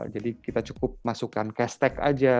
jadi kita cukup masukkan cash stack aja